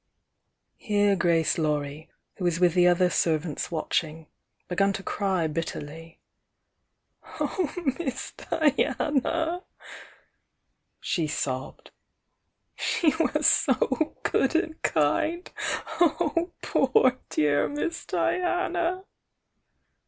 Here Grace Laurie, who was with the other serv antB watching, began to cry bitterly. "Oh, Miss Diana!" she sobbed. "She was so good and kind! Oh, poor, dear Miss Diana!"